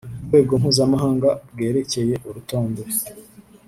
Rwego mpuzamahanga bwerekeye urutonde